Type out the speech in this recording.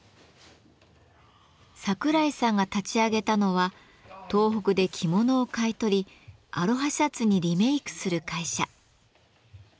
櫻井さんが立ち上げたのは東北で着物を買い取りアロハシャツにリメイクする会社。